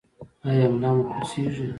ایا ملا مو کړوسیږي؟